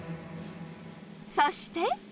そして。